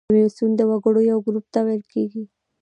کمیسیون د وګړو یو ګروپ ته ویل کیږي.